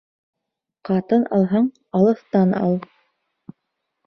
Ҡатын алһаң, алыҫтан ал.